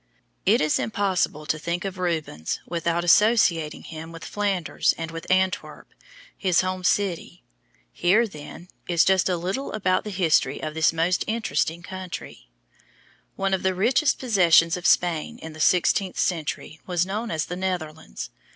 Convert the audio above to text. It is impossible to think of Rubens without associating him with Flanders and with Antwerp, his home city. Here, then, is just a little about the history of this most interesting country: One of the richest possessions of Spain in the sixteenth century was known as the Netherlands.